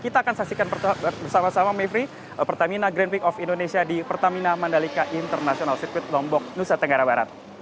kita akan saksikan bersama sama mevri pertamina grand prix of indonesia di pertamina mandalika international circuit lombok nusa tenggara barat